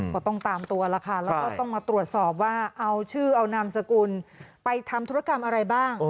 ก็ต้องตามตัวแล้วค่ะแล้วก็ต้องมาตรวจสอบว่าเอาชื่อเอานามสกุลไปทำธุรกรรมอะไรบ้าง